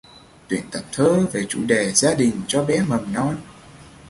Tuyển tập thơ về chủ đề gia đình cho bé mầm non